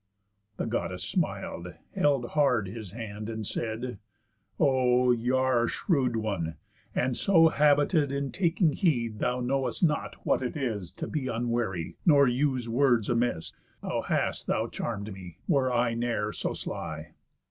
The Goddess smil'd, held hard his hand, and said: "O y' are a shrewd one, and so habited In taking heed thou know'st not what it is To be unwary, nor use words amiss. How hast thou charm'd me, were I ne'er so sly!